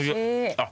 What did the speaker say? あっ。